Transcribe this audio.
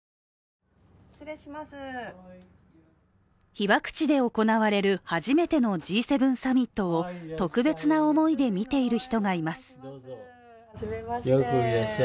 被爆地で行われる初めてのＧ７サミットを特別な思いで見ている人がいます。